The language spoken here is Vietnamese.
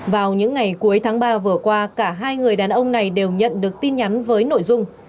vào những ngày cuối tháng ba vừa qua cả hai người đàn ông này đều nhận được tin nhắn với nội dung